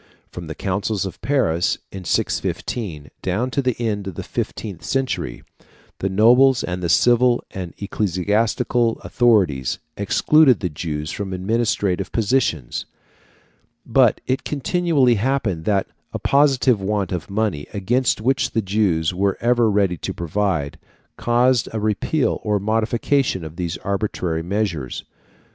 From the Councils of Paris, in 615, down to the end of the fifteenth century, the nobles and the civil and ecclesiastical authorities excluded the Jews from administrative positions; but it continually happened that a positive want of money, against which the Jews were ever ready to provide, caused a repeal or modification of these arbitrary measures.